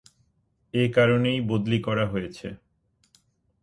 এ কারণেই বদলি করা হয়েছে।